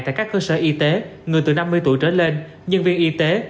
tại các cơ sở y tế người từ năm mươi tuổi trở lên nhân viên y tế